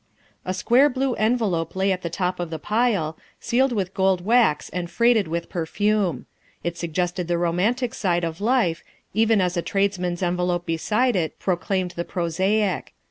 A square blue envelope lay at the top of the pile, sealed with gold wax and freighted with perfume. It suggested the romantic side of life, even as a trades man's envelope beside it proclaimed the prosaic.